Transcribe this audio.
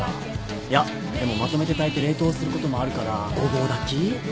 いやでもまとめて炊いて冷凍することもあるから５合炊き？